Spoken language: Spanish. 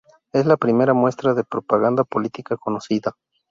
Es la primera muestra de propaganda política conocida.